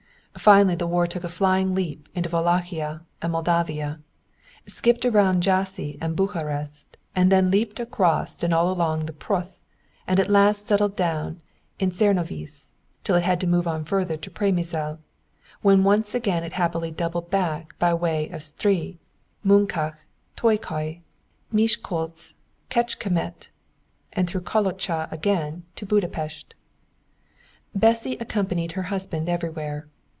Finally, the war took a flying leap into Wallachia and Moldavia, skipped about Jassy and Bucharest, and then leaped across and all along the Pruth, and at last settled down in Czernovicz, till it had to move on farther to Przemysl, whence again it happily doubled back by way of Stry, Munkács, Tokaj, Miskolcz, Kecskemet, and through Kalocsa again to Buda Pest. Bessy accompanied her husband everywhere.